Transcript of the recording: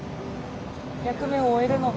役目を終えるのか。